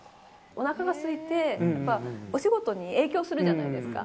おなかがすいて、お仕事に影響するじゃないですか。